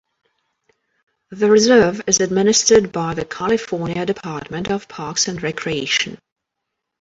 The reserve is administered by the California Department of Parks and Recreation.